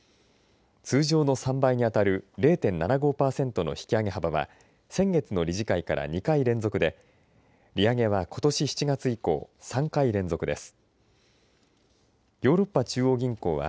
通常の３倍に当たる０．７５パーセントの引き上げ幅は先月の理事会から２回連続で、利上げはことし７月以降、３回連続です。